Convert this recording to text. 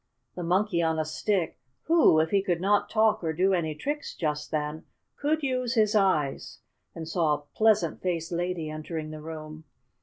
The Monkey on a Stick, who, if he could not talk or do any tricks just then, could use his eyes, saw a pleasant faced lady entering the room.